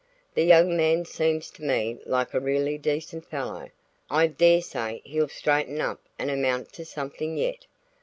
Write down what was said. The young man seems to me like a really decent fellow I dare say he'll straighten up and amount to something yet.